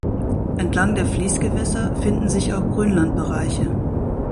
Entlang der Fließgewässer finden sich auch Grünlandbereiche.